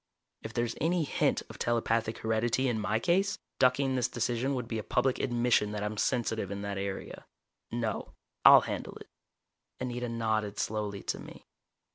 If there's any hint of telepathic heredity in my case, ducking this decision would be a public admission that I'm sensitive in that area. No. I'll handle it." Anita nodded slowly to me.